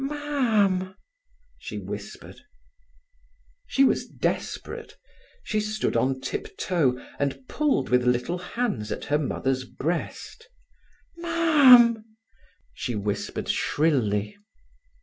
"Mam!" she whispered. She was desperate. She stood on tiptoe, and pulled with little hands at her mother's breast. "Mam!" she whispered shrilly.